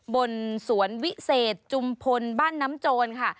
บนสวนวิเศษจุมพลบ้านน้ำโจรค่ะ